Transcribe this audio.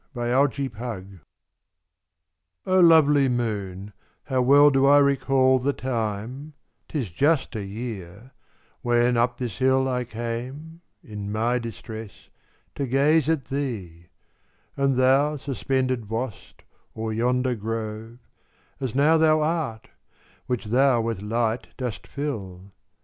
TO THE MOON. O lovely moon, how well do I recall The time,—'tis just a year—when up this hill I came, in my distress, to gaze at thee: And thou suspended wast o'er yonder grove, As now thou art, which thou with light dost fill.